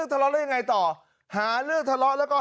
การนอนไม่จำเป็นต้องมีอะไรกัน